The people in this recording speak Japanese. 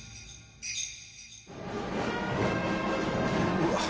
うわっ！